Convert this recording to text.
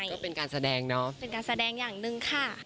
ก็เป็นการแสดงเนาะเป็นการแสดงอย่างหนึ่งค่ะ